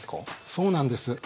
そうなんです。